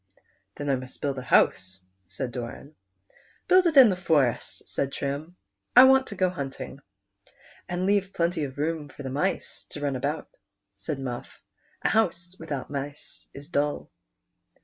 " Then I must build a house," said Doran. " Build it in the forest," said Trim ;" I want to go hunting." "And leave plenty of room for the mice to run about," said Muff; "a house without mice is dull."